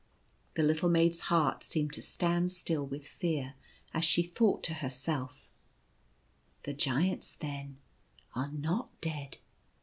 The little maid's heart seemed to stand still with fear as she thought to herself, " The Giants, then, are not dead.